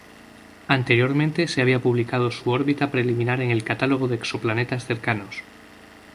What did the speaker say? Anteriormente se había publicado su órbita preliminar en el Catálogo de Exoplanetas Cercanos.